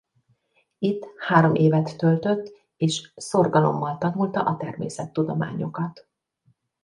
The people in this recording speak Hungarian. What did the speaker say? Itt három évet töltött és szorgalommal tanulta a természettudományokat.